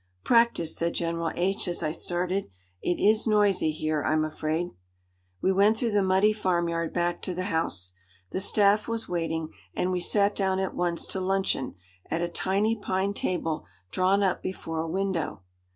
"Practice!" said General H as I started. "It is noisy here, I'm afraid." We went through the muddy farmyard back to the house. The staff was waiting and we sat down at once to luncheon at a tiny pine table drawn up before a window.